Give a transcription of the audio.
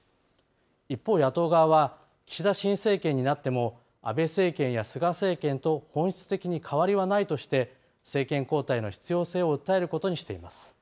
一方、野党側は、岸田新政権になっても、安倍政権や菅政権と本質的に変わりはないとして、政権交代の必要性を訴えることにしています。